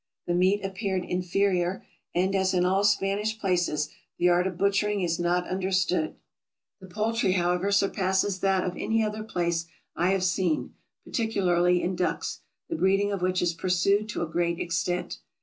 The meat appeared in ferior, and as in all Spanish places, the art of butchering is not understood. The poultry, however, surpasses that of any other place I have seen, particularly in ducks, the breeding of which is pursued to a great extent.